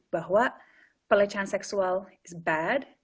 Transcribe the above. bahwa pelecehan seksual itu buruk